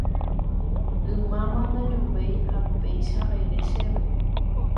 ymáma ndajuvéi ha péicha ere chéve